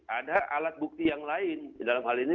ada alat bukti yang lain dalam hal ini